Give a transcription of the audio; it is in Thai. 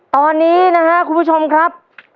ตอนนี้นะครับคุณผู้ชมครับ